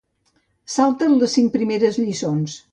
Salta't les cinc primeres cançons.